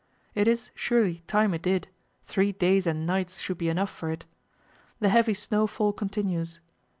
It is, surely, time it did; three days and nights should be enough for it. The heavy snowfall continues.